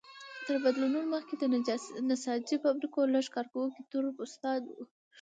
تر بدلونونو مخکې د نساجۍ فابریکو لږ کارکوونکي تور پوستان وو.